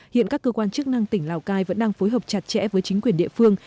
hiện các cơ quan chức năng tỉnh lào cai vẫn đang phối hợp chặt chẽ với chính quyền địa phương